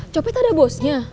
copet ada bosnya